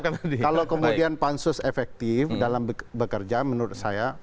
kalau kemudian pansus efektif dalam bekerja menurut saya